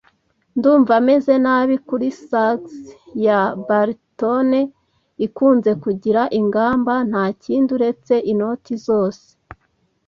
Ndumva meze nabi kuri sax ya baritone, ikunze kugira ingamba ntakindi uretse inoti zose.